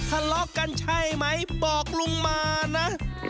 ทะเลาะกันใช่ไหมบอกลุงมานะ